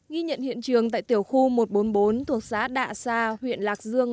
ghi nhận hiện trường tại tiểu khu một trăm bốn mươi bốn thuộc xã đạ sa huyện lạc dương